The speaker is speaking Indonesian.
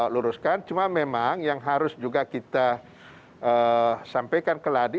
luruskan cuma memang yang harus juga kita sampaikan ke ladi